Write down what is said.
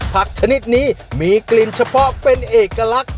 ชนิดนี้มีกลิ่นเฉพาะเป็นเอกลักษณ์